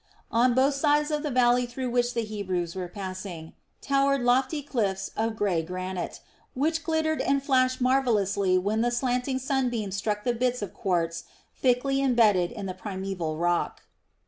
On both sides of the valley through which the Hebrews were passing towered lofty cliffs of grey granite, which glittered and flashed marvellously when the slanting sunbeams struck the bits of quartz thickly imbedded in the primeval rock.